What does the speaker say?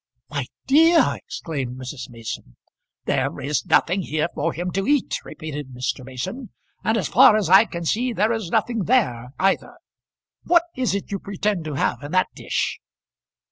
"My dear!" exclaimed Mrs. Mason. "There is nothing here for him to eat," repeated Mr. Mason. "And as far as I can see there is nothing there either. What is it you pretend to have in that dish?"